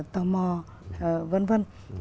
tò mò vân vân